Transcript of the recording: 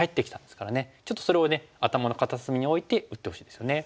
ちょっとそれをね頭の片隅に置いて打ってほしいですよね。